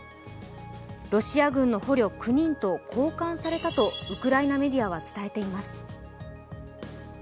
ロシア軍の捕虜９人と交換されたとウクライナメディアは伝えています。